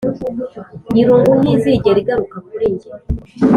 irungu" ntizigera igaruka kuri njye.